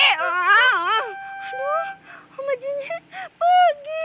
aduh om hajinya pagi